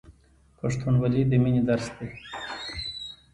پښتونولي د مینې درس دی.